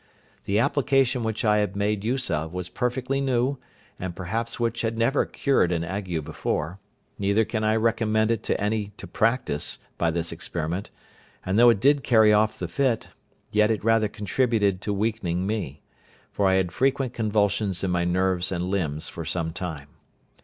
The application which I made use of was perfectly new, and perhaps which had never cured an ague before; neither can I recommend it to any to practise, by this experiment: and though it did carry off the fit, yet it rather contributed to weakening me; for I had frequent convulsions in my nerves and limbs for some time.